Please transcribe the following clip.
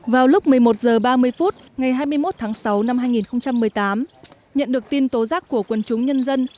vào lúc một mươi một h ba mươi phút ngày hai mươi một tháng sáu năm hai nghìn một mươi tám nhận được tin tố giác của quân chúng nhân dân